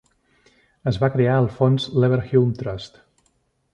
Es va crear el fons Leverhulme Trust.